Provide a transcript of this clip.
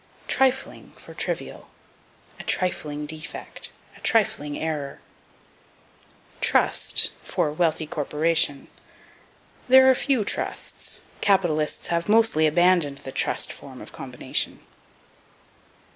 Trifling for Trivial. "A trifling defect"; "a trifling error." Trust for Wealthy Corporation. There are few trusts; capitalists have mostly abandoned the trust form of combination.